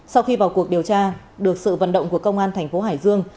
sau khi vào cuộc điều tra được sự vận động của công an thành phố hải dương